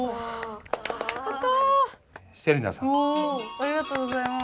ありがとうございます。